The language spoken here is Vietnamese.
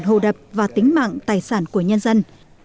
hồ đập và tính mạng tài sản của nhân dân